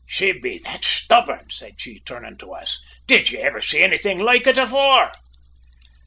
She be that stubborn!' said she, turnin' to us; `did ye ivver see anythin' loike it afore?'